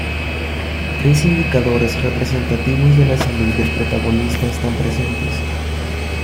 Tres indicadores representativos de la salud del protagonista están presentes.